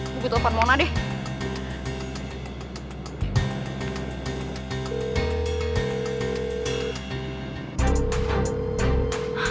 gue butuh telepon mona deh